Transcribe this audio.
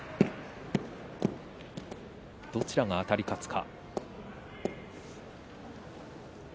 どちらがあたり勝つか。